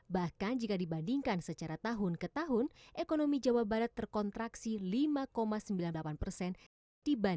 bahkan jika dibandingkan secara tahun ke tahun ekonomi jawa barat terkontraksi lima sembilan puluh delapan persen